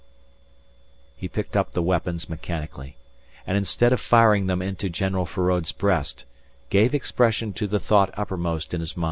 He picked up the weapons mechanically, and instead of firing them into General Feraud's breast, gave expression to the thought uppermost in his mind.